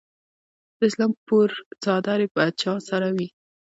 د اسلام پور څادرې به چا سره وي؟